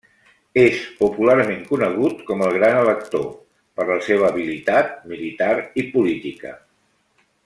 És popularment conegut com el Gran Elector per la seva habilitat militar i política.